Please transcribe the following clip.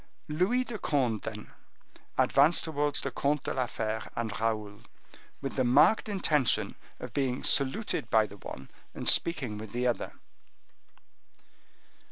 Louis de Conde then advanced towards the Comte de la Fere and Raoul, with the marked intention of being saluted by the one, and of speaking with the other.